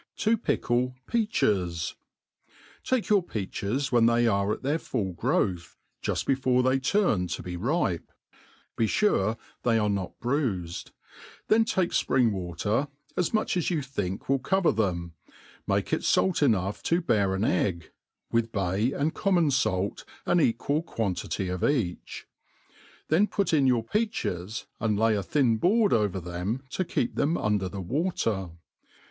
TV pkkli Fiachis. TAK£ your peaches when they are at their full growth, juft before they turn to be ripe ; be fure they are not bruifpd ; then take fpring water, as much as you think will cover them, make it fait enough to bear an egg, ^ith bay and common fait an equal quantity each ; then put in your peaches, and lay a thin b^ard over them to keep them under the water.